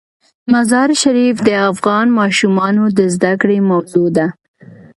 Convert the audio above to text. مزارشریف د افغان ماشومانو د زده کړې موضوع ده.